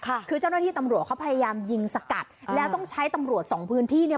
ค่ะคือเจ้าหน้าที่ตำรวจเขาพยายามยิงสกัดแล้วต้องใช้ตำรวจสองพื้นที่เนี้ย